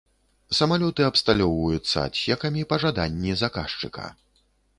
Самалёты абсталёўвацца адсекамі па жаданні заказчыка.